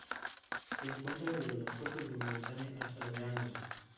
Se encuentra desde las costas de Mauritania hasta las de Angola.